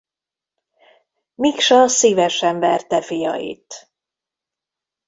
Miksa szívesen verte fiait.